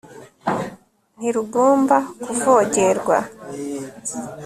ntirugomba kuvogerwa